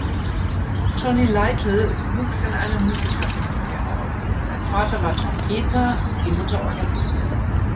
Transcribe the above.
Johnny Lytle wuchs in einer Musikerfamilie auf: Sein Vater war Trompeter, die Mutter Organistin.